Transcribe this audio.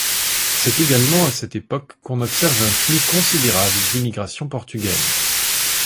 C’est également à cette époque qu’on observe un flux considérable d’immigration portugaise.